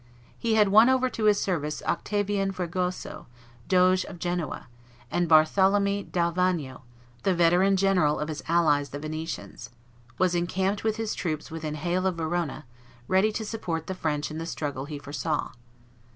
He had won over to his service Octavian Fregoso, Doge of Genoa; and Barthelemy d'Alviano, the veteran general of his allies the Venetians, was encamped with his troops within hail of Verona, ready to support the French in the struggle he foresaw.